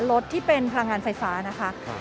รถที่เป็นพลังงานไฟฟ้านะคะ